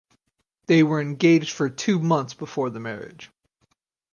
They were engaged for two months before the marriage.